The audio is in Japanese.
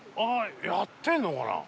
やってるのかな？